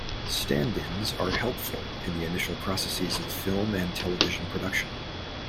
Stand-ins are helpful in the initial processes of film and television production.